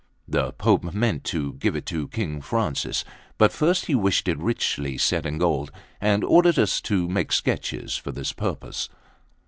The Pope meant to give it to King Francis; but first he wished it richly set in gold, and ordered us to make sketches for this purpose.